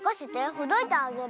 ほどいてあげる。